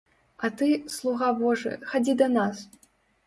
А ты, слуга божы, хадзі да нас.